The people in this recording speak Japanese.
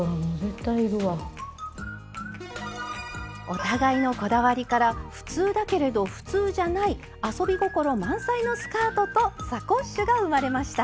お互いのこだわりから普通だけれど普通じゃない遊び心満載のスカートとサコッシュが生まれました。